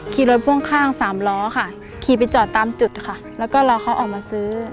ขี่รถพ่วงข้างสามล้อค่ะขี่ไปจอดตามจุดค่ะแล้วก็รอเขาออกมาซื้อ